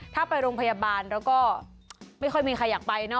ถ้าไปโรงพยาบาลแล้วก็ไม่ค่อยมีใครอยากไปเนอ